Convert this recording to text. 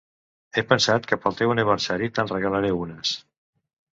He pensat que pel teu aniversari te'n regalaré unes.